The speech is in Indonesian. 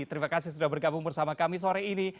terima kasih sudah bergabung bersama kami sore ini